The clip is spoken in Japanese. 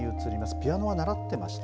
ピアノは習ってました？